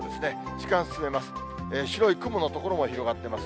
時間進めます。